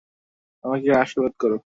আমাদেরকে আশীর্বাদ করো।